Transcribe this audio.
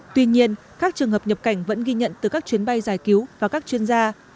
tuy nhiên các trường hợp nhập cảnh vẫn ghi nhận từ các chuyến bay giải cứu và các chuyên gia